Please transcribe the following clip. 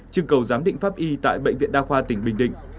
chương cầu giám định pháp y tại bệnh viện đa khoa tỉnh bình định